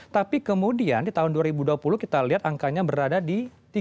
tapi kemudian di tahun dua ribu dua puluh kita lihat angkanya berada di tiga puluh